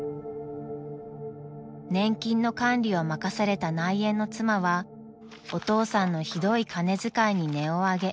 ［年金の管理を任された内縁の妻はお父さんのひどい金遣いに音を上げ